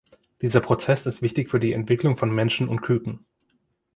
Dieser Prozess ist wichtig für die Entwicklung von Menschen und Küken.